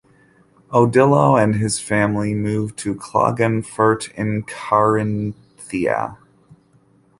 Odilo and his family moved to Klagenfurt in Carinthia.